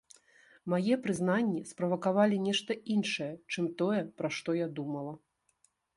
Мае прызнанні справакавалі нешта іншае, чым тое, пра што я думала.